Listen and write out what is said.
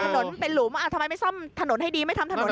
ถนนเป็นหลุมอ่าทำไมไม่ทำถนนให้ดี